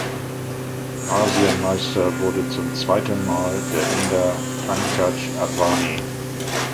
Asienmeister wurde zum zweiten Mal der Inder Pankaj Advani.